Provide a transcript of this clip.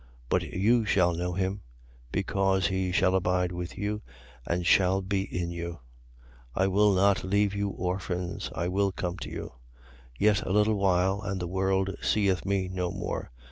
But you shall know him; because he shall abide with you and shall be in you. 14:18. I will not leave you orphans: I will come to you. 14:19. Yet a little while and the world seeth me no more.